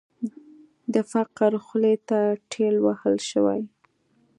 د فقر خولې ته ټېل وهل شوې.